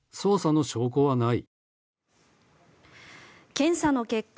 検査の結果